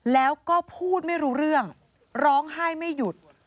แล้วก็พูดไม่รู้เรื่องร้องไห้ไม่หยุด